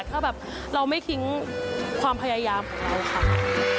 ถ้าแบบเราไม่ทิ้งความพยายามของเราค่ะ